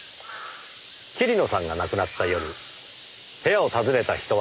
桐野さんが亡くなった夜部屋を訪ねた人はいなかった。